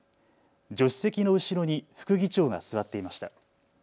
助手席の後ろに副議長が座っていました。